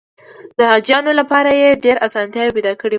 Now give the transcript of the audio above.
د حاجیانو لپاره یې ډېره اسانتیا پیدا کړې وه.